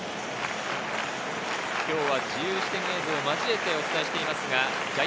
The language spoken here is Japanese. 今日は自由視点映像を交えてお伝えしています。